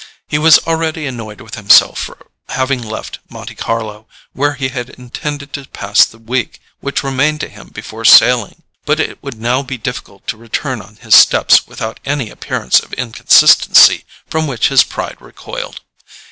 He was already annoyed with himself for having left Monte Carlo, where he had intended to pass the week which remained to him before sailing; but it would now be difficult to return on his steps without an appearance of inconsistency from which his pride recoiled.